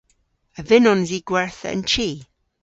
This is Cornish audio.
A vynnons i gwertha an chi?